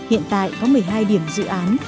hiện tại có một mươi hai điểm dự án